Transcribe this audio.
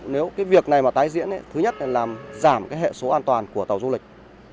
nếu cái việc này mà tái diễn thứ nhất là làm giảm cái hệ số an toàn của tàu du lịch